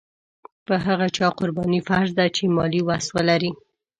په هغه چا قرباني فرض ده چې مالي وس ولري.